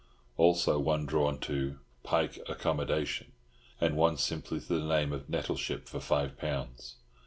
also one drawn to "Pike accommodation," and one simply to the name of Nettleship for five pounds.